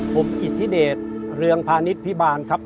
ผมอิสธิเดชเรืองพาณิชย์พี่บ้าน